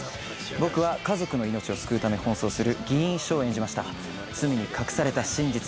僕は家族の命を救うため奔走する議員秘書を演じました罪に隠された真実とは？